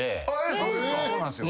そうなんですよ。